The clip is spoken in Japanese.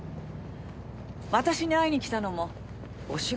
私に会いに来たのもお仕事だったのね。